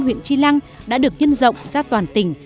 huyện tri lăng đã được nhân rộng ra toàn tỉnh